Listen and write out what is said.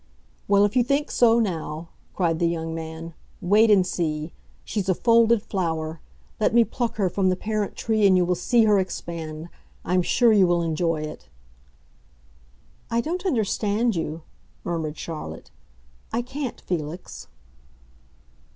"Well, if you think so now," cried the young man, "wait and see! She's a folded flower. Let me pluck her from the parent tree and you will see her expand. I'm sure you will enjoy it." "I don't understand you," murmured Charlotte. "I can't, Felix."